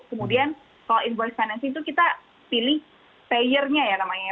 kemudian kalau invoice financing itu kita pilih payernya ya namanya